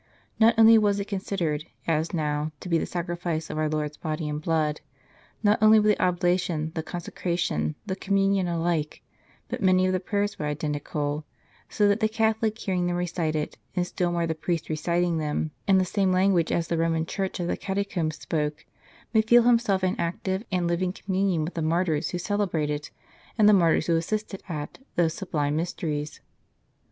Not only was it considered, as now, to be the Sacrifice of Our Lord's Body and Blood, not only were the oblation, the consecration, the com munion alike, but many of the prayers were identical; so that the Catholic hearing them recited, and still more the priest reciting them, in the same language as the Koman Church of the Catacombs spoke, may feel himself in active and living communion with the martyrs who celebrated, and the martyrs who assisted at, those sublime mysteries.